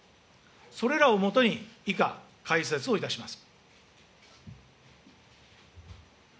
それらを基に、以下、解説をいたします。